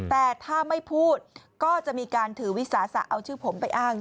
แต่ถ้าไม่พูดก็จะมีการถือวิสาสะเอาชื่อผมไปอ้าง